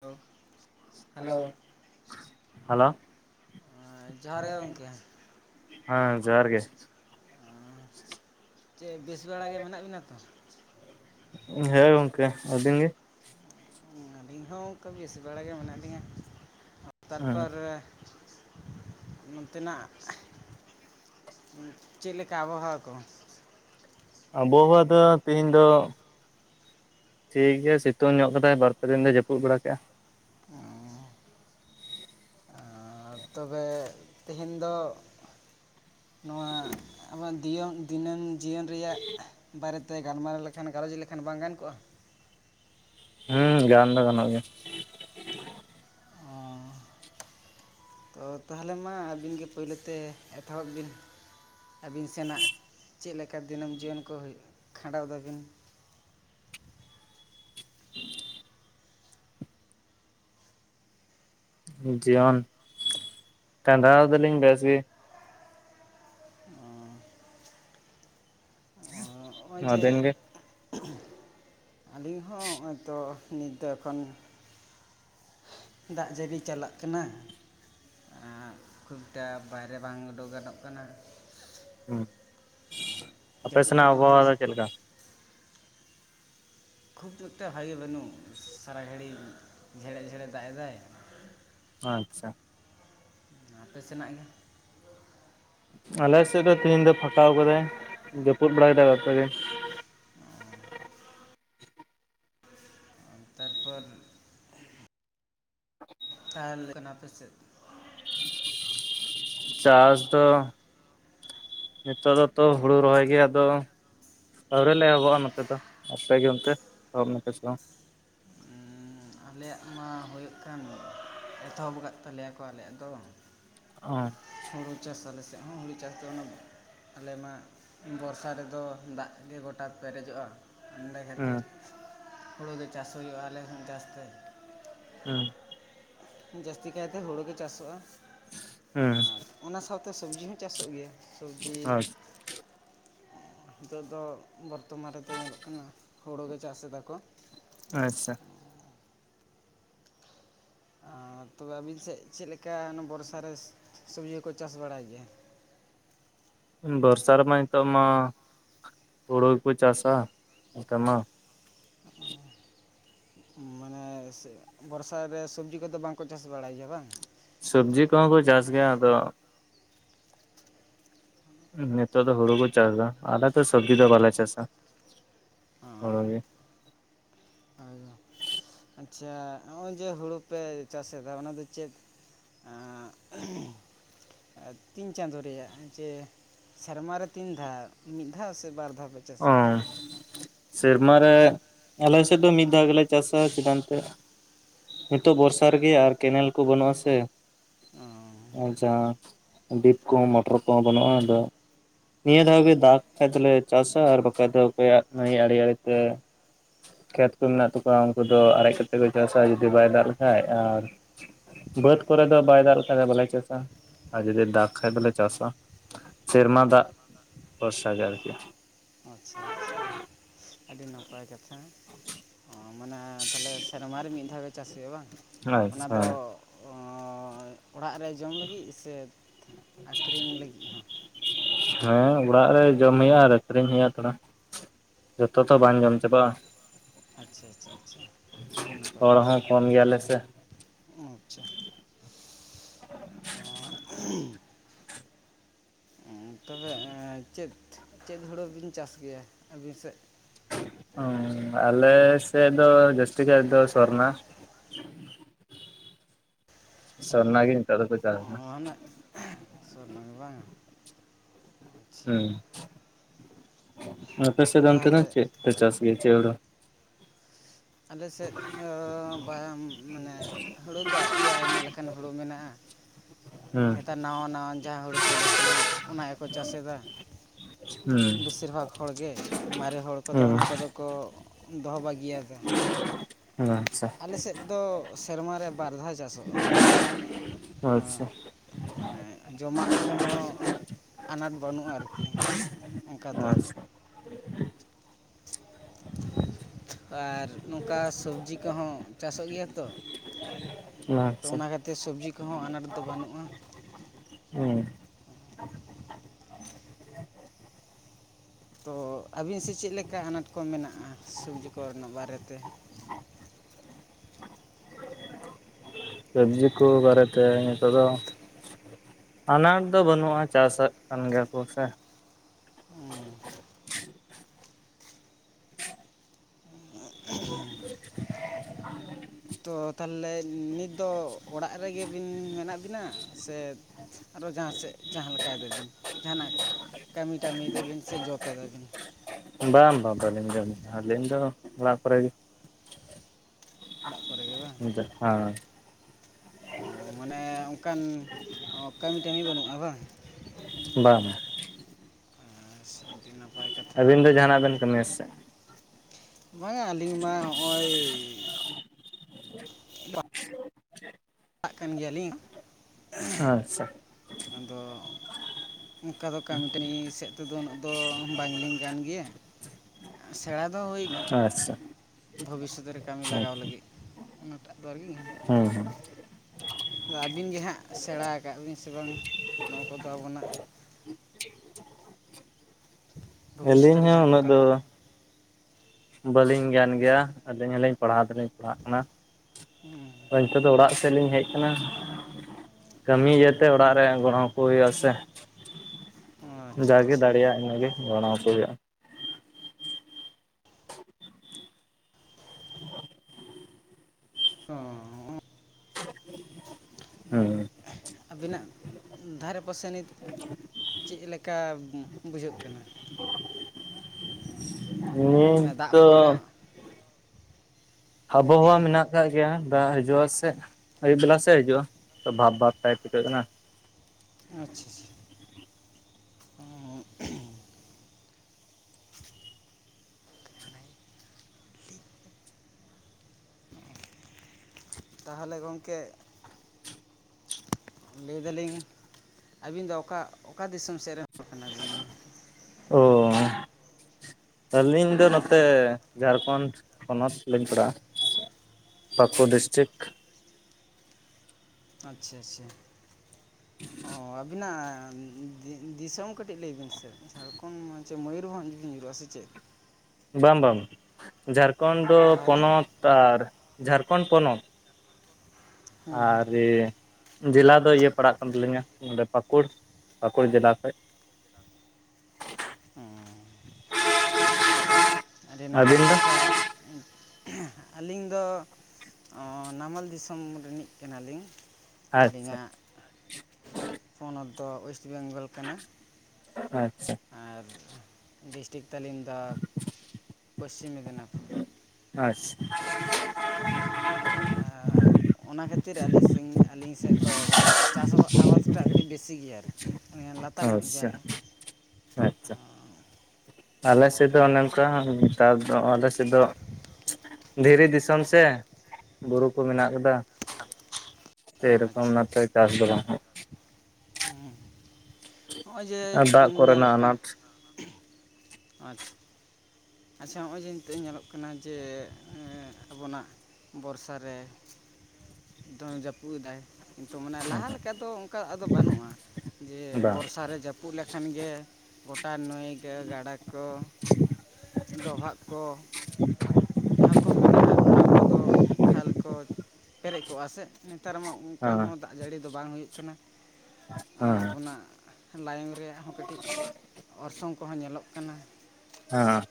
Hello. Hello hello hello ᱦᱮ ᱡᱚᱦᱟᱨ ᱜᱮ ᱜᱚᱝᱠᱮ᱾ ᱦᱚᱸ ᱡᱚᱦᱟᱨ ᱜᱮ᱾ ᱦᱚᱸ ᱪᱮᱜ ᱵᱮᱥ ᱵᱟᱲᱟ ᱜᱮ ᱢᱮᱱᱟᱜ ᱵᱤᱱᱟ ᱛᱚ? ᱦᱮᱸ ᱜᱚᱝᱠᱮ, ᱟᱵᱤᱱ ᱜᱮ? ᱟᱹᱞᱤᱧ ᱦᱚᱸ ᱚᱱᱠᱟ ᱵᱮᱥ ᱵᱟᱲᱟᱜᱮ ᱢᱮᱱᱟᱜ ᱞᱤᱧᱟᱹ ᱛᱟᱨ ᱦᱮᱸ ᱯᱚᱨᱮ ᱱᱚᱱᱛᱮᱱᱟᱜ ᱪᱮᱫᱠᱟ ᱟᱵᱚᱦᱟᱣᱟ ᱠᱚ? ᱟᱵᱚᱦᱟᱣᱟ ᱫᱚ ᱛᱤᱦᱮᱧ ᱫᱚ ᱴᱷᱤᱠ ᱜᱮᱭᱟ ᱥᱤᱛᱩᱝ ᱧᱚᱜ ᱠᱟᱫᱟᱭ ᱵᱟᱨ ᱯᱮ ᱫᱤᱱ ᱫᱚᱭ ᱡᱟᱹᱯᱩᱫ ᱵᱟᱲᱟ ᱠᱮᱜᱼᱟᱭ᱾ ᱚ᱾ ᱟᱨ ᱛᱚᱵᱮ ᱛᱮᱦᱮᱧ ᱫᱚ ᱱᱚᱣᱟ ᱟᱢᱟ ᱫᱤᱭᱚᱱ ᱫᱤᱱᱟᱹᱢ ᱡᱤᱭᱚᱱ ᱨᱮᱭᱟᱜ ᱵᱟᱨᱮᱛᱮ ᱜᱟᱞᱢᱟᱨᱟᱣ ᱞᱮᱠᱷᱟᱱ ᱜᱟᱞᱚᱪ ᱞᱮᱠᱷᱟᱱ ᱵᱟᱝ ᱜᱟᱱ ᱠᱚᱜᱼᱟ? ᱦᱩᱸ ᱜᱟᱱ ᱫᱚ ᱜᱟᱱᱚᱜ ᱜᱮᱭᱟ᱾ ᱛᱚ ᱛᱟᱦᱚᱞᱮ ᱢᱟ ᱟᱹᱵᱤᱱ ᱜᱮ ᱯᱳᱭᱞᱳ ᱛᱮ ᱮᱛᱚᱦᱚᱵᱚᱵ ᱵᱤᱱ ᱟᱹᱵᱤᱱ ᱥᱮᱱᱟᱜ᱾ ᱪᱮᱫ ᱞᱮᱠᱟ ᱫᱤᱱᱟᱹᱢ ᱡᱤᱭᱚᱱ ᱠᱚ ᱦᱳᱭᱳᱜ ᱠᱷᱟᱸᱰᱟᱣ ᱫᱟᱵᱤᱱ? [inaudible] ᱡᱤᱭᱚᱱ ᱠᱟᱸᱰᱷᱟᱣ ᱮᱫᱟ ᱞᱤᱧ ᱵᱮᱥ ᱜᱮ᱾ [inaudible] ᱦᱚᱸᱜᱼᱚᱭ ᱡᱮ ᱟᱵᱮᱱ ᱜᱮ ᱮᱸᱜ [unintelligible] ᱟᱹᱞᱤᱧ ᱦᱚᱸ ᱦᱚᱸᱜᱼᱚᱭ ᱛᱚ ᱱᱤᱛ ᱫᱚ ᱮᱠᱷᱚᱱ ᱫᱟᱜ ᱡᱟᱹᱨᱤ ᱪᱟᱞᱟᱜ ᱠᱟᱱᱟ᱾ ᱟᱸ ᱠᱷᱩᱵ ᱴᱟᱜ ᱵᱟᱦᱨᱮ ᱵᱟᱝ ᱩᱰᱳᱜ ᱜᱟᱱᱚᱜ ᱠᱟᱱᱟ᱾ ᱦᱩᱸ ᱟᱯᱮ ᱡᱟᱹᱯᱩᱫ ᱥᱮᱱᱟᱜ ᱠᱷᱟᱹᱛᱤᱨ ᱟᱵᱚ ᱛᱮ ᱣᱟᱦᱟ ᱫᱚ ᱪᱮᱫ ᱞᱮᱠᱟ? ᱠᱷᱩᱵ ᱡᱩᱨ ᱛᱮ ᱦᱟᱭ ᱜᱮ ᱵᱟᱹᱱᱩᱜ, ᱥᱟᱨᱟ ᱜᱷᱟᱹᱲᱤᱡ ᱡᱷᱮᱬᱮ ᱡᱷᱮᱬᱮ ᱫᱟᱜ ᱮᱫᱟᱭ᱾ ᱟᱪᱪᱷᱟ᱾ ᱟᱸᱯᱮ ᱥᱮᱱᱟᱜ ᱜᱮ? ᱟᱞᱮᱥᱮᱫ ᱫᱚ ᱛᱮᱦᱮᱧ ᱫᱚ ᱯᱷᱟᱸᱠᱟ ᱣᱟᱠᱟᱫᱟᱭ, ᱡᱟᱹᱯᱩᱫ ᱵᱟᱲᱟ ᱭᱮᱫᱟᱭ ᱱᱚᱛᱮ ᱜᱮ᱾ ᱚᱱᱛᱟᱨᱯᱚᱨ ᱛᱟᱦᱮᱞ ᱞᱮᱠᱟ ᱟᱯᱮᱥᱮᱫ, ᱪᱟᱥ ᱫᱚ ᱱᱤᱛᱚ ᱫᱚ ᱛᱚ ᱦᱩᱲᱩ ᱨᱚᱦᱚᱭ ᱜᱮ ᱟᱫᱚ ᱟᱹᱣᱨᱤ ᱞᱮ ᱮᱦᱚᱵᱚᱜᱼᱟ ᱱᱚᱛᱮ ᱫᱚ, ᱟᱯᱮ ᱜᱮ ᱚᱱᱛᱮ ᱮᱦᱚᱵ ᱮᱱᱟ ᱯᱮᱥᱮ ᱵᱟᱝ? ᱟᱞᱮᱭᱟᱜ ᱢᱟ ᱦᱳᱭᱳᱜ ᱠᱟᱱ ᱮᱛᱚᱦᱚᱵ ᱟᱠᱟᱫ ᱛᱟᱞᱮᱭᱟ ᱠᱚ ᱟᱞᱮᱭᱟᱜ ᱫᱚ᱾ ᱚᱝ᱾ ᱦᱩᱲᱩ ᱪᱟᱥ ᱟᱞᱮ ᱥᱮᱜ ᱦᱚᱸ ᱦᱩᱲᱩ ᱪᱟᱥ ᱫᱚ ᱚᱱᱟᱵ ᱟᱞᱮ ᱢᱟᱜ ᱵᱚᱨᱥᱟ ᱨᱮᱫᱚ ᱫᱟᱜ ᱜᱮ ᱜᱚᱴᱟ ᱯᱮᱨᱮᱡᱚᱜᱼᱟ᱾ ᱮᱸᱰᱮ ᱦᱩᱸ ᱠᱷᱟᱹᱛᱤᱨ ᱦᱩᱲᱩ ᱜᱮ ᱪᱟᱥ ᱦᱩᱭᱩᱜᱼᱟ ᱟᱞᱮ ᱦᱚᱸ ᱡᱟᱥᱛᱮ᱾ ᱦᱩᱸ᱾ ᱡᱟᱹᱥᱛᱤ ᱠᱟᱭᱛᱮ ᱦᱩᱲᱩ ᱜᱮ ᱪᱟᱥᱼᱚᱜᱼᱟ᱾ ᱦᱩᱸ᱾ ᱚᱱᱟ ᱥᱟᱶᱛᱮ ᱥᱩᱵᱽᱡᱤ ᱦᱚᱸ ᱪᱟᱥᱚᱜ ᱜᱮᱭᱟ, ᱥᱚᱵᱽᱡᱤ ᱱᱤᱛᱚᱜ ᱫᱚ ᱵᱚᱨᱛᱚᱢᱟᱱ ᱨᱮᱫᱚ ᱧᱮᱞᱚᱜ ᱠᱟᱱᱟ ᱦᱩᱲᱳ ᱜᱮ ᱪᱟᱥ ᱮᱫᱟ ᱠᱚ᱾ ᱟᱪᱪᱷᱟ᱾ ᱟᱨ ᱛᱚᱵᱮ ᱟᱹᱵᱤᱱ ᱥᱮᱜ ᱪᱮᱫ ᱞᱮᱠᱟ ᱚᱱᱟ ᱵᱚᱨᱥᱟ ᱨᱮ ᱥᱚᱵᱽᱡᱤ ᱦᱚᱸᱠᱚ ᱪᱟᱥ ᱵᱟᱲᱟᱭ ᱜᱮᱭᱟ? ᱵᱚᱨᱥᱟ ᱨᱮᱢᱟ ᱱᱤᱛᱚᱜ ᱢᱟ ᱦᱩᱲᱩ ᱜᱮᱠᱚ ᱪᱟᱥᱼᱟ ᱚᱱᱠᱟ ᱢᱟ, ᱦᱮᱸ ᱥᱮᱜ ᱵᱚᱨᱥᱟ ᱨᱮ ᱥᱚᱵᱽᱡᱤ ᱠᱚᱫᱚ ᱵᱟᱝ ᱠᱚ ᱪᱟᱥ ᱵᱟᱲᱟᱭ ᱜᱮᱭᱟ ᱵᱟᱝ? ᱥᱚᱵᱽᱡᱤ ᱠᱚᱦᱚᱸ ᱠᱚ ᱪᱟᱥ ᱜᱮᱭᱟ ᱟᱫᱚ ᱱᱤᱛᱚᱜ ᱫᱚ ᱦᱩᱲᱩ ᱠᱚ ᱪᱟᱥ ᱮᱫᱟ, ᱟᱞᱮ ᱫᱚ ᱥᱚᱵᱽᱡᱤ ᱫᱚ ᱵᱟᱞᱮ ᱪᱟᱥᱼᱟ, ᱦᱩᱲᱩ ᱜᱮ᱾ ᱚ ᱟᱪᱪᱷᱟ ᱱᱚᱜᱼᱚᱸᱭ ᱡᱮ ᱦᱩᱲᱩ ᱯᱮ ᱪᱟᱥ ᱮᱫ ᱫᱚ ᱚᱱᱟᱫᱚ ᱪᱮᱫ ᱟᱸᱻᱜ [unintelligible] ᱮᱸ ᱛᱤᱱ ᱪᱟᱸᱫᱳ ᱨᱮᱭᱟᱜ ᱡᱮ ᱥᱮᱨᱢᱟ ᱨᱮ ᱛᱤᱱ ᱫᱷᱟᱻᱜ ᱢᱤᱫ ᱫᱷᱟᱣ ᱥᱮ ᱵᱟᱨ ᱫᱷᱟᱣ ᱯᱮ ᱪᱟᱥ ᱚ ᱜᱮᱭᱟ? ᱥᱮᱨᱢᱟ ᱨᱮᱻ ᱟᱞᱮ ᱥᱮᱫ ᱫᱚ ᱢᱤᱫ ᱫᱷᱟᱣ ᱜᱮᱞᱮ ᱪᱟᱥᱼᱟ, ᱪᱮᱫᱟᱱ ᱛᱮᱜ ᱱᱤᱛᱚᱜ ᱵᱚᱨᱥᱟ ᱨᱮᱜᱮ ᱟᱨ ᱠᱮᱱᱮᱞ ᱠᱚ ᱵᱟᱹᱱᱩᱜᱼᱟ ᱥᱮ, ᱚ ᱟ ᱡᱟ ᱰᱤᱵ ᱠᱚᱦᱚᱸ ᱢᱚᱴᱚᱨ ᱠᱚᱦᱚᱸ ᱵᱟᱹᱱᱩᱜᱼᱟ ᱟᱫᱚ ᱱᱤᱭᱟᱹ ᱫᱷᱟᱣ ᱜᱮ ᱫᱟᱜᱽ ᱠᱷᱟᱡ ᱫᱚᱞᱮ ᱪᱟᱥᱼᱟ ᱟᱨ ᱵᱟᱠᱷᱟᱡ ᱫᱚ ᱟᱯᱮᱭᱟᱜ ᱱᱟᱹᱭ ᱟᱲᱮ ᱟᱲᱮ ᱛᱮ ᱠᱷᱮᱛ ᱠᱚ ᱢᱮᱱᱟᱜ ᱛᱟᱠᱩᱣᱟ ᱩᱸᱠᱩ ᱫᱚ ᱟᱲᱮ ᱠᱟᱛᱮ ᱠᱚ ᱪᱟᱥᱼᱟ ᱡᱩᱫᱤ ᱵᱟᱭ ᱫᱟᱜ ᱞᱮᱠᱷᱟᱡ ᱟᱨ ᱵᱟᱹᱫᱽ ᱠᱚᱨᱮ ᱫᱚ ᱵᱟᱭ ᱫᱟᱜ ᱞᱮᱠᱷᱟᱡ ᱫᱚ ᱵᱟᱞᱮ ᱪᱟᱥᱼᱟ ᱟᱨ ᱡᱩᱫᱤ ᱫᱟᱜᱽ ᱠᱷᱟᱡ ᱫᱚᱞᱮ ᱪᱟᱥᱼᱟ᱾ ᱚ ᱥᱮᱨᱢᱟ ᱫᱟᱜ ᱵᱷᱚᱨᱥᱟ ᱜᱮ ᱟᱫᱚ ᱠᱤ᱾ ᱟᱪᱪᱷᱟ ᱟᱪᱪᱷᱟ ᱟᱹᱰᱤ ᱱᱟᱯᱟᱭ ᱠᱟᱛᱷᱟ, ᱚᱸ ᱢᱟᱱᱮ ᱛᱟᱦᱮᱞᱮ ᱥᱮᱨᱢᱟ ᱨᱮ ᱢᱤᱫ ᱫᱷᱟᱣ ᱜᱮ ᱪᱟᱥ ᱦᱩᱭᱩᱜᱼᱟ ᱵᱟᱝ, ᱚᱱᱟ ᱫᱚ ᱟᱪᱪᱷᱟ ᱚᱸᱻᱭ ᱚᱲᱟᱜ ᱨᱮ ᱡᱚᱢ ᱞᱟᱹᱜᱤᱜ ᱥᱮ ᱟᱠᱨᱤᱧ ᱞᱟᱹᱜᱤᱜ ᱦᱚᱸ᱾ ᱦᱮᱸ ᱚᱲᱟᱜ ᱨᱮ ᱡᱚᱢ ᱦᱩᱭᱩᱜᱼᱟ ᱟᱨ ᱟᱹᱠᱷᱨᱤᱧ ᱦᱩᱭᱩᱜᱼᱟ ᱛᱷᱚᱲᱟ᱾ ᱡᱚᱛᱚ ᱛᱚ ᱚ ᱵᱟᱝ ᱡᱚᱢ ᱪᱟᱵᱟᱜᱼᱟ᱾ ᱟᱪᱪᱷᱟ ᱟᱪᱪᱷᱟ ᱟᱪᱪᱷᱟ ᱟᱹᱰᱤ ᱱᱟᱯᱟᱭ ᱦᱚᱲ ᱠᱟᱛᱷᱟ ᱦᱚᱸ ᱠᱚᱢ ᱜᱮᱭᱟᱞᱮ ᱥᱮ ᱾ ᱟᱪᱪᱷᱟ [unintelligible] [inaudible] ᱛᱚᱵᱮ ᱪᱮᱫ ᱪᱮᱫ ᱦᱳᱲᱳ ᱵᱤᱱ ᱪᱟᱥ ᱜᱮᱭᱟ ᱟᱹᱵᱤᱱ ᱥᱮᱜ? [inaudible] ᱟᱞᱮ ᱥᱮᱫ ᱫᱚ ᱡᱟᱹᱥᱛᱤ ᱠᱟᱭ ᱫᱚ ᱥᱚᱨᱱᱟ ᱾ ᱥᱚᱨᱱᱟ ᱜᱤ ᱱᱤᱛᱚᱜ ᱫᱚᱠᱚ ᱪᱟᱥ ᱫᱟ ᱾ [unintelligible] ᱥᱚᱨᱱᱟ ᱜᱮ ᱵᱟᱝᱼᱟ ᱾ ᱦᱩᱸ ᱟᱯᱮᱥᱮᱫ ᱚᱱᱛᱮ ᱫᱚ ᱛᱟᱦᱚᱞᱮ ᱪᱮᱜ ᱯᱮ ᱪᱟᱥ ᱜᱮᱭᱟ ᱪᱮ ᱦᱳᱲᱳ? ᱟᱞᱮ ᱥᱮᱫ [inaudible] ᱢᱟᱱᱮ ᱦᱳᱲᱳ ᱫᱚ ᱟᱹᱰᱤ ᱟᱭᱢᱟ ᱞᱮᱠᱟᱱ ᱦᱳᱲᱳ ᱢᱮᱱᱟᱜᱼᱟ᱾ ᱦᱩᱸ ᱱᱮᱛᱟᱨ ᱱᱟᱣᱟ ᱱᱟᱣᱟ ᱡᱟᱦᱟᱸ ᱦᱳᱲᱳ ᱠᱚ ᱩᱰᱳᱠ ᱠᱟᱱᱟ ᱚᱱᱟ ᱜᱮᱠᱚ ᱪᱟᱥ ᱮᱫᱟ ᱾ ᱦᱩᱸ ᱵᱮᱥᱤᱨ ᱵᱷᱟᱜᱽ ᱦᱚᱲᱜᱮ ᱢᱟᱨᱮ ᱦᱚᱲ ᱠᱚᱫᱚ ᱦᱩᱸ ᱚᱱᱟ ᱠᱚᱫᱚ ᱠᱚ ᱫᱚᱦᱚ ᱵᱟᱹᱜᱤᱭᱟ ᱫᱟ ᱾ [unintelligible] ᱫᱚ ᱥᱮᱨᱢᱟ ᱨᱮ ᱵᱟᱨ ᱫᱷᱟᱣ ᱪᱟᱥᱚᱜᱼᱟ [inaudible] ᱦᱮᱸ ᱟᱪᱪᱷᱟ ᱾ ᱢᱟᱱᱮ ᱡᱚᱢᱟᱜ ᱛᱮᱦᱚᱸ ᱟᱱᱟᱴ ᱵᱟᱹᱱᱩᱜᱼᱟ ᱟᱨᱠᱤ ᱚᱝᱠᱟ ᱫᱚ ᱾ ᱟᱪᱪᱷᱟ [inaudible] ᱟᱨ ᱱᱚᱝᱠᱟ ᱥᱚᱵᱽᱡᱤ ᱠᱚᱦᱚᱸ ᱪᱟᱥᱚᱜ ᱜᱮᱭᱟ ᱛᱚ ᱾ ᱛᱚ ᱟᱪᱪᱷᱟ ᱚᱱᱟ ᱠᱷᱟᱹᱛᱤᱨ ᱥᱚᱵᱽᱡᱤ ᱠᱚᱦᱚᱸ ᱟᱱᱟᱴ ᱫᱚ ᱵᱟᱹᱱᱩᱜᱼᱟ ᱾ ᱦᱩᱸ ᱛᱚ ᱟᱹᱵᱤᱱ ᱥᱮᱜ ᱪᱮᱜ ᱞᱮᱠᱟ ᱟᱱᱟᱴ ᱠᱚ ᱢᱮᱱᱟᱜᱼᱟ ᱥᱚᱵᱽᱡᱤ ᱠᱚ ᱨᱮᱱᱟᱜ ᱵᱟᱨᱮᱛᱮ? ᱥᱚᱵᱽᱡᱤ ᱠᱚ ᱵᱟᱨᱮᱛᱮ ᱱᱤᱛᱚᱜ ᱫᱚ ᱟᱱᱟᱴ ᱫᱚ ᱵᱟᱹᱱᱩᱜᱼᱟ ᱪᱟᱥᱮᱜ ᱠᱟᱱ ᱜᱮᱭᱟ ᱠᱚ ᱥᱮ ᱾ [inaudible] ᱛᱚ ᱛᱟᱞᱞᱮᱡ ᱱᱤᱛ ᱫᱚ ᱚᱲᱟᱜ ᱨᱮᱜᱮ ᱵᱤᱱ ᱢᱮᱱᱟᱜ ᱵᱤᱱᱟ? ᱥᱮᱼᱼ ᱟᱨᱚ ᱡᱟᱦᱟᱸ ᱥᱮᱜ ᱡᱟᱦᱟᱸ ᱞᱮᱠᱟᱭ ᱫᱟᱹᱵᱤᱱ? ᱡᱟᱦᱟᱸᱱᱟᱜᱼᱼ ᱠᱟᱹᱢᱤ ᱴᱟᱢᱤᱭ ᱫᱟᱵᱤᱱ ᱥᱮ ᱡᱚᱵ ᱮᱫᱟ ᱵᱤᱱ? ᱵᱟᱝ ᱵᱟᱝ ᱵᱟᱹᱞᱤᱧ ᱡᱚᱢᱮᱢᱼᱟ, ᱟᱹᱞᱤᱧ ᱫᱚ ᱚᱲᱟᱜ ᱠᱚᱨᱮ ᱜᱮ ᱾ ᱚᱲᱟᱜ ᱠᱚ ᱨᱮ ᱜᱮ ᱵᱟᱝ? [inaudible] ᱚ ᱢᱟᱱᱮ ᱚᱱᱠᱟᱱ ᱠᱟᱹᱢᱤ ᱴᱟᱢᱤ ᱵᱟᱹᱱᱩᱜᱼᱟ ᱵᱟᱝ? ᱵᱟ ᱵᱟ ᱾ ᱟᱪᱪᱷᱟ, ᱟᱹᱰᱤ ᱱᱟᱯᱟᱭ ᱠᱟᱛ ᱾ ᱟᱹᱵᱤᱱ ᱫᱚ ᱡᱟᱦᱟᱸᱱᱟᱜ ᱵᱮᱱ ᱠᱟᱹᱢᱤᱭᱟ ᱥᱮᱜ? ᱵᱟᱝᱟ ᱟᱹᱞᱤᱧ ᱢᱟ ᱦᱚᱜᱼᱚᱭᱼᱼ ᱟᱜ ᱠᱟᱱ ᱜᱮᱭᱟ ᱞᱤᱧ ᱾ ᱟᱪᱪᱷᱟ ᱾ ᱟᱫᱚᱼᱼ ᱚᱝᱠᱟ ᱫᱚ ᱠᱟᱹᱢᱤ ᱴᱟᱱᱤ ᱥᱮᱫ ᱛᱮ ᱫᱚ ᱩᱱᱟᱹᱜ ᱫᱚ ᱵᱟᱝ ᱞᱤᱧ ᱜᱟᱱ ᱜᱮᱭᱟ ᱾ ᱥᱮᱬᱟ ᱫᱚ ᱦᱳᱭᱱᱟ, ᱟᱪᱪᱷᱟ ᱵᱷᱚᱵᱤᱥᱥᱚᱛ ᱨᱮ ᱠᱟᱹᱢᱤ ᱞᱟᱜᱟᱣ ᱞᱟᱹᱜᱤᱫ ᱾ ᱚᱱᱟ ᱴᱟᱜ ᱫᱚ [unintelligible] ᱦᱩᱸ ᱦᱩᱸ ᱾ ᱟᱹᱵᱤᱱ ᱜᱮ ᱦᱟᱸᱜ ᱥᱮᱬᱟ ᱟᱠᱟᱜ ᱵᱤᱱ ᱥᱮ ᱵᱟᱝ? ᱱᱚᱣᱟ ᱠᱚᱫᱚ ᱟᱵᱚᱱᱟᱜᱼᱼ ᱵᱷᱚᱵᱤᱥᱥᱚᱛ ᱟᱹᱞᱤᱧ ᱨᱮ ᱦᱚᱸ ᱡᱟᱦᱟᱸ ᱠᱚ ᱩᱱᱟᱹᱜ ᱫᱚᱼᱼᱼᱼ ᱠᱟᱹᱢᱤ ᱵᱟᱹᱞᱤᱧ ᱜᱟᱱ ᱜᱮᱭᱟ, ᱟᱹᱞᱤᱧ ᱦᱚᱸᱞᱤᱧ ᱯᱟᱲᱦᱟᱣ ᱫᱚᱞᱤᱧ ᱯᱟᱲᱦᱟᱜ ᱠᱟᱱᱟ ᱾ [inaudible] ᱛᱚᱫᱚᱜ ᱚᱲᱟᱜ ᱥᱮᱱ ᱞᱤᱧ ᱦᱮᱡ ᱠᱟᱱᱟ ᱾ ᱠᱟᱹᱢᱤ ᱡᱟᱛᱮ ᱚᱲᱟᱜ ᱨᱮ ᱜᱚᱲᱚ ᱟᱠᱚ ᱦᱩᱭᱩᱜᱼ ᱟ ᱥᱮ᱾ ᱟᱪᱪᱷᱟ ᱡᱟᱜᱮ ᱟᱪᱪᱷᱟ ᱫᱟᱲᱮᱭᱟᱜ ᱧᱚᱜ ᱜᱮ ᱜᱚᱲᱚᱣᱟᱠᱚ ᱦᱩᱭᱩᱜᱼᱟ ᱾ ᱦᱚᱸᱻ ᱦᱩᱸ ᱟᱹᱵᱤᱱᱟᱜ ᱫᱷᱟᱨᱮ ᱯᱟᱥᱮ ᱱᱤᱛ ᱪᱮᱫ ᱞᱮᱠᱟ ᱵᱩᱡᱷᱟᱹᱜ ᱠᱟᱱᱟ? ᱢᱟᱱᱮ ᱱᱤᱛ ᱫᱟᱜ ᱫᱚ ᱯᱚᱨᱮ ᱟᱵᱚᱦᱟᱣᱟ ᱢᱮᱱᱟᱜ ᱠᱟᱜ ᱜᱮᱭᱟ ᱾ ᱫᱟᱜ ᱦᱤᱡᱩᱜᱼᱟ ᱥᱮ ᱥᱮᱜ? ᱟᱹᱭᱩᱵ ᱵᱮᱞᱟ ᱥᱮᱫ ᱦᱤᱡᱩᱜᱼᱟ ᱾ᱛᱚ ᱵᱷᱟᱵ ᱵᱷᱟᱵ ᱴᱟᱭᱤᱯ ᱟᱹᱭᱠᱟᱹᱜ ᱠᱟᱱᱟ᱾ ᱟᱪᱪᱷᱟ ᱪᱷᱤ ᱪᱷᱤ᱾ [inaudible] [unintelligible] ᱛᱟᱦᱚᱞᱮ ᱜᱚᱝᱠᱮ ᱞᱟᱹᱭ ᱫᱟᱞᱤᱧ ᱟᱹᱵᱤᱱ ᱫᱚ ᱚᱠᱟ ᱚᱠᱟ ᱫᱤᱥᱚᱢ ᱥᱮᱫ ᱨᱮ? ᱠᱟᱱᱟ ᱵᱤᱱ ᱚ ᱟᱹᱞᱤᱧ ᱫᱚ ᱱᱚᱛᱮ ᱡᱷᱟᱲᱠᱷᱚᱸᱰ ᱯᱚᱱᱚᱛ ᱞᱤᱧ ᱯᱟᱲᱟᱜᱼᱟ᱾ ᱯᱟᱠᱩᱲ ᱰᱤᱥᱴᱨᱤᱠ ᱾ ᱟᱪᱪᱷᱟ ᱟᱪᱪᱷᱟ [inaudible] ᱚ ᱟᱹᱵᱤᱱᱟᱜ ᱫᱤᱥᱚᱢ ᱠᱟᱹᱴᱤᱡ ᱞᱟᱹᱭ ᱵᱤᱱ ᱥᱮ ᱡᱷᱟᱲᱠᱷᱚᱸᱰ ᱢᱚ ᱪᱮ ᱢᱚᱭᱩᱨᱵᱷᱚᱸᱡᱽ ᱵᱤᱱ ᱧᱩᱨᱩᱜᱼᱟ ᱥᱮ ᱪᱮᱫ? ᱵᱟᱝ ᱵᱟᱝ ᱡᱷᱟᱨᱠᱷᱚᱸᱰ ᱫᱚ ᱛᱟᱦᱚᱞᱮ ᱯᱚᱱᱚᱛ, ᱟᱨ ᱡᱷᱟᱨᱠᱷᱚᱸᱰ ᱯᱚᱱᱚᱛ ᱾ ᱦᱮᱸ ᱦᱮᱸ ᱟᱨ ᱨᱤ ᱡᱮᱞᱟ ᱫᱚ ᱤᱭᱟᱹ ᱯᱟᱲᱟᱜ ᱠᱟᱱ ᱛᱟᱹᱞᱤᱤᱧᱟ ᱱᱚᱸᱰᱮ ᱯᱟᱠᱩᱲ, ᱯᱠᱩᱲ ᱡᱮᱞᱟ ᱠᱷᱚᱡ᱾ ᱚ ᱟᱹᱰᱤ ᱱᱟᱯᱟᱭ ᱟᱹᱵᱤᱱ ᱫᱚ ᱠᱟᱛᱷᱟ ᱟᱹᱞᱤᱧ ᱫᱚ ᱚᱸ ᱱᱟᱢᱟᱞ ᱫᱤᱥᱚᱢ ᱨᱤᱱᱤᱡ ᱠᱟᱱᱟ ᱞᱤᱧ ᱾ ᱟᱪᱪᱷᱟ ᱟᱹᱞᱤᱧᱟᱜ ᱯᱚᱱᱚᱛ ᱫᱚ ᱳᱭᱮᱥᱴ ᱵᱮᱝᱜᱚᱞ ᱠᱟᱱᱟ ᱟᱪᱪᱷᱟ ᱟᱨ ᱰᱤᱥᱴᱤᱠ ᱛᱟᱹᱞᱤᱢ ᱫᱚ ᱯᱚᱥᱪᱤᱢ ᱢᱮᱫᱽᱱᱟᱯᱩᱨ᱾ ᱟᱪᱷᱟ ᱟᱻ ᱚᱱᱟ ᱠᱷᱟᱹᱛᱤᱨ ᱟᱞᱤ ᱥᱮᱝ ᱟᱹᱞᱤᱧ ᱥᱮᱫ ᱫᱚ ᱠᱟᱹᱴᱤᱡ ᱪᱟᱥ ᱟᱵᱟᱫᱴᱟᱜ ᱠᱟᱹᱴᱤᱡ ᱵᱮᱥᱤ ᱜᱮᱭᱟ ᱟᱨ ᱠᱤ ᱱᱤᱭᱟᱹ ᱞᱟᱛ ᱟᱪᱷᱟ ᱦᱮ ᱛᱚ ᱟᱞᱮ ᱥᱮᱫ ᱫᱚ ᱚᱱᱮ ᱚᱱᱠᱟ ᱱᱮᱛᱟᱨ ᱫᱚ ᱟᱞᱮ ᱥᱮᱫ ᱫᱚ ᱫᱷᱤᱨᱤ ᱫᱤᱥᱚᱢ ᱥᱮ ᱵᱩᱨᱩ ᱠᱚ ᱢᱮᱱᱟᱜ ᱠᱟᱫᱟ᱾ ᱥᱮᱨᱚᱠᱚᱢ ᱟᱪᱪᱷᱟ ᱚᱱᱟ ᱛᱮ ᱪᱟᱥ ᱫᱚ ᱵᱟᱝ ᱦᱩᱭᱩᱜ ᱦᱮᱸ ᱦᱚᱸ ᱡᱮ ᱟᱨ ᱫᱟᱜ ᱧᱮᱞᱚᱜ ᱠᱚᱨᱮᱱᱟᱜ ᱠᱟᱱᱟ ᱟᱱᱟᱴ ᱟᱪᱷᱟ ᱟᱪᱪᱷᱟ ᱱᱚᱜᱚᱭ ᱡᱮ ᱱᱤᱛᱚᱜ ᱧᱮᱞᱚᱜ ᱠᱟᱱᱟ ᱡᱮ ᱟᱵᱚᱱᱟᱜ ᱵᱚᱨᱥᱟ ᱨᱮ ᱫᱚᱢᱮ ᱡᱟᱹᱯᱩᱫ ᱮᱫᱟᱭ ᱠᱤᱱᱛᱩ ᱢᱟᱱᱮ ᱞᱟᱦᱟ ᱞᱮᱠᱟ ᱫᱚ ᱚᱱᱠᱟ ᱟᱫᱚ ᱵᱟᱹᱱᱩᱜᱼᱟ ᱡᱮ ᱵᱟᱝ ᱵᱚᱨᱥᱟ ᱨᱮ ᱡᱟᱹᱯ ᱯᱩᱜ ᱞᱮᱠᱷᱟᱱ ᱜᱮ ᱜᱚᱴᱟ ᱱᱟᱹᱭ ᱠᱚ ᱜᱟᱰᱟ ᱠᱚ ᱰᱚᱵᱷᱟᱜ ᱠᱚ ᱡᱟᱦᱟᱸ ᱠᱚ ᱢᱮᱱᱟᱜᱼᱟ ᱚᱱᱟ ᱠᱚᱫᱚ ᱠᱷᱟᱞ ᱠᱚ ᱯᱮᱨᱮᱡ ᱠᱚᱜᱼᱟ ᱥᱮ᱾ ᱱᱮᱛᱟᱨ ᱢᱟ ᱚᱱᱠᱟᱱ ᱦᱚᱸ ᱦᱮᱸ ᱫᱟᱜ ᱡᱟᱹᱲᱤ ᱫᱚ ᱵᱟᱝ ᱦᱩᱭᱩᱜ ᱠᱟᱱᱟ ᱮ ᱟᱵᱚᱱᱟᱜ ᱞᱟᱭᱚᱝ ᱨᱮᱭᱟᱜ ᱦᱚᱸ ᱠᱟᱹᱴᱤᱡ ᱚᱨᱥᱚᱝ ᱠᱚᱦᱚᱸ ᱧᱮᱞᱚᱜ ᱠᱟᱱᱟ ᱾ ᱦᱮᱸ ᱾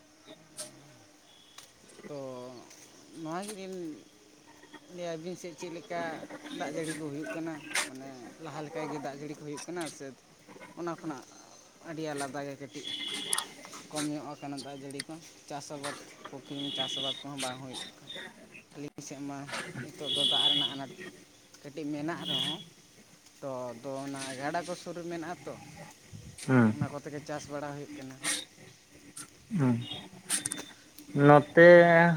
ᱛᱚ ᱱᱚᱣᱟ ᱜᱮᱞᱤᱧ ᱞᱟᱹᱭᱟ ᱟᱹᱵᱤᱱ ᱥᱮᱫ ᱪᱮᱫ ᱞᱮᱠᱟ ᱫᱟᱜ ᱡᱟᱹᱲᱤ ᱠᱚ ᱦᱩᱭᱩᱜ ᱠᱟᱱᱟ ᱢᱟᱱᱮ ᱞᱟᱦᱟ ᱞᱮᱠᱟ ᱜᱮ ᱫᱟᱜ ᱡᱟᱹᱲᱤ ᱠᱚ ᱦᱩᱭᱩᱜ ᱠᱟᱱᱟ ᱥᱮ ᱚᱱᱟ ᱠᱷᱚᱱᱟᱜ ᱟᱹᱰᱤ ᱟᱞᱟᱫᱟ ᱜᱮ ᱠᱟᱹᱴᱤᱡ? ᱠᱚᱢ ᱧᱚᱜ ᱟᱠᱟᱱᱟ ᱫᱟᱜ ᱡᱟᱹᱲᱤ ᱠᱚ ᱪᱟᱥ ᱟᱵᱟᱫ ᱯᱩᱠᱷᱨᱤ ᱪᱟᱥ ᱟᱵᱟᱫ ᱠᱚᱦᱚᱸ ᱵᱟᱝ ᱦᱩᱭᱩᱜ ᱠᱟᱱᱟ ᱾ ᱟᱹᱞᱤᱧ ᱥᱮᱫ ᱢᱟ ᱱᱤᱛᱚᱜ ᱫᱚ ᱫᱟᱜ ᱨᱮᱱᱟᱜ ᱟᱱᱟᱴ ᱠᱟᱹᱴᱤᱡ ᱢᱮᱱᱟᱜ ᱨᱮᱦᱚᱸ ᱛᱚ ᱟᱫᱚ ᱚᱱᱟ ᱜᱟᱰᱟ ᱠᱚ ᱥᱩᱨ ᱨᱮ ᱢᱮᱱᱟᱜᱼᱟ ᱛᱚ ᱦᱮᱸ ᱦᱮᱸ ᱦᱩᱸ ᱚᱱᱟ ᱠᱚ ᱛᱮᱜᱮ ᱪᱟᱥ ᱵᱟᱲᱟ ᱦᱩᱭᱩᱜ ᱠᱟᱱᱟ ᱾ ᱱᱚᱛᱮ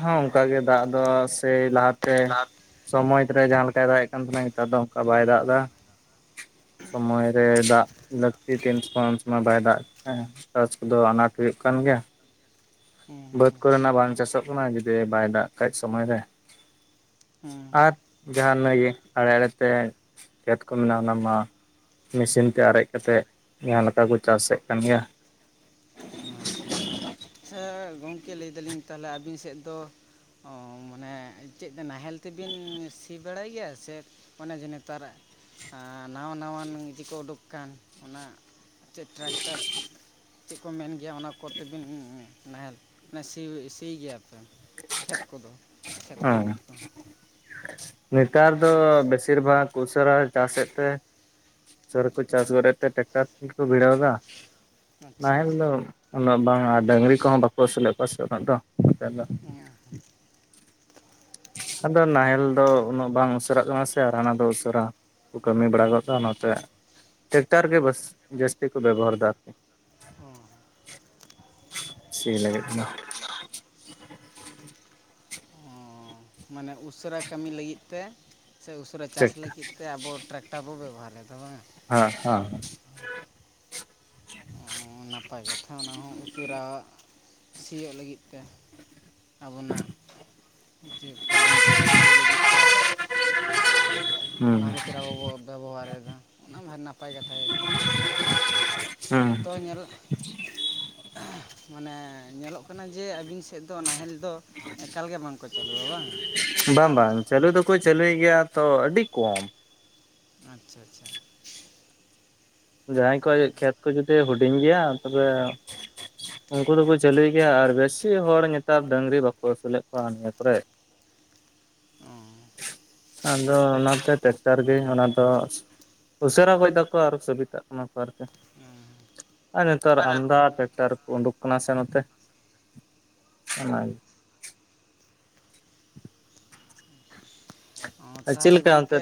ᱦᱚᱸ ᱚᱱᱠᱟ ᱜᱮ ᱫᱟᱜ ᱫᱚ ᱥᱮᱭ ᱞᱟᱦᱟ ᱛᱮ ᱥᱚᱢᱚᱭ ᱨᱮ ᱡᱟᱦᱟᱸ ᱞᱮᱠᱟᱭ ᱫᱟᱜ ᱮᱫ ᱠᱟᱱ ᱛᱟᱦᱮᱱᱟ ᱱᱮᱛᱟᱨ ᱫᱚ ᱚᱱᱠᱟ ᱵᱟᱭ ᱦᱮᱸ ᱫᱟᱜ ᱮᱫᱟ ᱾ ᱥᱚᱢᱚᱭ ᱨᱮ ᱫᱟᱜ ᱞᱟᱹᱠᱛᱤ ᱛᱤᱱ ᱥᱚᱢᱚᱭ ᱩᱱ ᱥᱚᱢᱚᱭ ᱵᱟᱭ ᱫᱟᱜ [unintelligible] ᱾ ᱪᱟᱥ ᱠᱚᱫᱚ ᱟᱱᱟᱴ ᱦᱩᱭᱩᱜ ᱠᱟᱱ ᱜᱮᱭᱟ ᱾ ᱦᱮᱸ ᱵᱟᱹᱫᱽ ᱦᱮᱸ ᱠᱚᱨᱮᱱᱟᱜ ᱵᱟᱝ ᱪᱟᱥᱚᱜ ᱠᱟᱱᱟ ᱡᱩᱫᱤ ᱵᱟᱭ ᱫᱟᱜ ᱠᱷᱟᱡ ᱥᱚᱢᱚᱭ ᱨᱮ ᱦᱮᱸ ᱾ ᱟᱨ ᱡᱟᱦᱟ ᱱᱟᱹᱜ ᱜᱮ ᱟᱲᱮ ᱟᱲᱮᱛᱮ ᱠᱷᱮᱛ ᱠᱚ ᱢᱮᱱᱟᱜᱼᱟ ᱚᱱᱟ ᱢᱟ ᱢᱮᱥᱤᱱ ᱛᱮ ᱟᱨᱮᱡ ᱠᱟᱛᱮᱫ ᱡᱟᱦᱟᱸ ᱞᱮᱠᱟ ᱠᱚ ᱪᱟᱥᱮᱫ ᱠᱟᱱ ᱜᱮᱭᱟ ᱾ ᱟᱪᱷᱟ ᱟᱪᱷᱟ, ᱟᱪᱪᱷᱟ ᱜᱚᱝᱠᱮ ᱞᱟᱹᱭ ᱫᱟᱞᱤᱧ ᱛᱟᱦᱚᱞᱮ ᱟᱹᱵᱤᱱ ᱥᱮᱫ ᱫᱚ ᱚ ᱢᱟᱱᱮ ᱪᱮᱫ ᱱᱟᱦᱮᱞ ᱛᱮᱵᱤᱱ ᱥᱤ ᱵᱟᱲᱟᱭ ᱜᱮᱭᱟ ᱥᱮ ᱚᱱᱮ ᱡᱮ ᱱᱮᱛᱟᱨ ᱱᱟᱣᱟ ᱱᱟᱣᱟᱱ ᱤᱡᱮ ᱠᱚ ᱩᱰᱩᱠ ᱠᱟᱱ ᱚᱱᱟ ᱪᱮᱫ ᱴᱨᱟᱠᱴᱟᱨᱥ ᱪᱮᱫ ᱠᱚ ᱢᱮᱱ ᱜᱮᱭᱟ ᱚᱱᱟ ᱠᱚᱛᱮᱵᱤᱱ ᱱᱟᱦᱮᱞ ᱥᱤ ᱥᱤ ᱜᱮᱭᱟ ᱯᱮ ᱠᱷᱮᱛ ᱠᱚᱫᱚ? ᱠᱷᱮᱛ ᱠᱚ ᱚᱸ ᱵᱟᱹᱫᱽ ᱠᱚ ᱾ ᱱᱮᱛᱟᱨ ᱫᱚ ᱵᱮᱥᱤᱨ ᱵᱷᱟᱜᱽ ᱩᱥᱟᱹᱨᱟ ᱪᱟᱥᱮᱫ ᱛᱮ ᱩᱥᱟᱹᱨᱟ ᱠᱚ ᱪᱟᱥ ᱜᱚᱫ ᱛᱮ ᱴᱨᱟᱠᱴᱟᱨ ᱠᱚᱜᱮ ᱠᱚ ᱵᱷᱤᱲᱟᱹᱣ ᱫᱟ ᱾ ᱟᱪᱪᱷᱟ ᱱᱟᱦᱮᱞ ᱟᱪᱪᱷᱟ ᱫᱚ ᱩᱱᱟᱹᱜ ᱵᱟᱝ ᱟᱨ ᱰᱟᱹᱝᱨᱤ ᱠᱚᱦᱚᱸ ᱵᱟᱠᱚ ᱟᱹᱥᱩᱞᱮᱫ ᱠᱚᱣᱟ ᱥᱮ ᱩᱱᱟᱹᱜ ᱫᱚ ᱱᱚᱛᱮ ᱫᱚ ᱾ [unintelligible] ᱟᱫᱚ ᱱᱟᱦᱮᱞ ᱫᱚ ᱩᱱᱟᱹᱜ ᱵᱟᱝ ᱩᱥᱟᱹᱨᱟᱜ ᱠᱟᱱᱟ ᱥᱮ ᱟᱨ ᱦᱟᱱᱟ ᱫᱚ ᱩᱥᱟᱹᱨᱟ ᱠᱚ ᱠᱟᱹᱢᱤ ᱵᱟᱲᱟ ᱜᱚᱫ ᱫᱟᱜ ᱚᱱᱟᱛᱮ ᱴᱮᱠᱴᱟᱨ ᱜᱮ ᱵᱟᱥ ᱡᱟᱥᱛᱤ ᱠᱚ ᱵᱮᱵᱚᱦᱟᱨ ᱫᱟᱠᱚ ᱾ ᱚ [inaudible] ᱥᱤ ᱞᱟᱹᱜᱤᱫ ᱫᱚ ᱾ ᱢᱟᱱᱮ ᱩᱥᱟᱹᱨᱟ ᱠᱟᱹᱢᱤ ᱞᱟᱹᱜᱤᱫ ᱛᱮ ᱥᱮ ᱯᱩᱨᱟᱹ ᱪᱟᱥ ᱴᱨᱟᱠᱴᱟᱨ ᱞᱟᱹᱜᱤᱫ ᱛᱮ ᱟᱵᱚ ᱴᱨᱟᱠᱴᱟᱨ ᱵᱚ ᱵᱮᱵᱚᱦᱟ ᱮᱫᱟ ᱵᱟᱝᱟ? ᱦᱟᱸ ᱦᱟᱸ ᱾ ᱦᱩᱸ ᱱᱟᱯᱟᱭ ᱠᱟᱛᱷᱟ ᱚᱱᱟᱦᱚᱸ ᱩᱥᱟᱹᱨᱟ ᱥᱤᱭᱚᱜ ᱞᱟᱹᱜᱤᱫ ᱛᱮ ᱟᱵᱚᱱᱟᱜ ᱡᱮ ᱯᱷᱚᱞᱚᱱ ᱡᱟᱹᱥᱛᱤ ᱦᱩᱭ ᱞᱟᱹᱜᱤᱫ ᱛᱮ [inaudible] ᱦᱩᱸ ᱚᱱᱟ ᱠᱷᱟᱹᱛᱤᱨ ᱾ ᱟᱵᱚ ᱵᱚ ᱵᱮᱵᱚᱦᱟᱨ ᱮᱫᱟ ᱚᱱᱟ ᱢᱟ ᱱᱟᱯᱟᱭ ᱠᱟᱛᱷᱟ ᱜᱮ ᱠᱟᱱᱟ ᱾ ᱦᱩᱸ [inaudible] ᱾ [unintelligible] ᱢᱟᱱᱮ ᱧᱮᱞᱚᱜ ᱠᱟᱱᱟ ᱡᱮ ᱟᱹᱵᱤᱱ ᱥᱮᱫ ᱫᱚ ᱱᱟᱦᱮᱞ ᱫᱚ ᱮᱠᱟᱞ ᱜᱮ ᱵᱟᱝᱠᱚ ᱪᱟᱹᱞᱩᱣᱟ ᱵᱟᱝᱟ ᱱᱮᱛᱟᱨ ᱫᱚ? ᱠᱚ ᱪᱟᱹᱞᱩᱭ ᱜᱮᱭᱟ, ᱛᱚ ᱟᱹᱰᱤ ᱠᱚᱢ ᱾ ᱟᱪᱪᱷᱟ ᱟᱪᱪᱷᱟ ᱾ ᱡᱟᱦᱟᱸᱭ ᱠᱚᱣᱟᱜ ᱠᱷᱮᱛ ᱠᱚ ᱡᱩᱫᱤ ᱦᱩᱰᱤᱧ ᱜᱮᱭᱟ ᱛᱚᱵᱮ ᱩᱱᱠᱩ ᱫᱚᱠᱚ ᱪᱟᱹᱞᱩᱭ ᱜᱮᱭᱟ, ᱟᱨ ᱵᱮᱥᱤ ᱦᱚᱲ ᱱᱮᱛᱟᱨ ᱰᱟᱹᱝᱨᱤ ᱵᱟᱠᱚ ᱟᱹᱥᱩᱞᱮᱫ ᱠᱚᱣᱟ ᱱᱤᱭᱟᱹ ᱠᱚᱨᱮᱫ ᱾ [unintelligible] ᱟᱫᱚ ᱚᱱᱟᱛᱮ ᱴᱮᱠᱴᱟᱨ ᱜᱮ ᱚᱱᱟ ᱫᱚ ᱩᱥᱟᱹᱨᱟ ᱜᱚᱡ ᱫᱟᱠᱚ ᱟᱨ ᱥᱩᱵᱤᱛᱟᱜ ᱠᱟᱱᱟ ᱠᱚ ᱟᱨᱠᱤ ᱟᱨ ᱱᱮᱛᱟᱨ ᱟᱢᱫᱟ ᱴᱮᱠᱴᱟᱨ ᱩᱰᱩᱠ ᱠᱟᱱᱟ ᱥᱮ ᱱᱚᱛᱮ ᱚᱱᱟᱜᱮ, ᱚᱸ ᱟᱨ ᱪᱮᱫ ᱛᱟᱦᱚᱞᱮ ᱞᱮᱠᱟ ᱜᱚᱝᱠᱮ ᱚᱱᱛᱮ